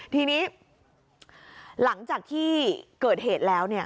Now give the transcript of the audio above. ทีนี้หลังจากที่เกิดเหตุแล้ว